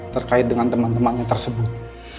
terkait dengan teman temannya tersebut